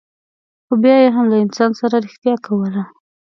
خو بیا یې هم له انسان سره رښتیا کوله.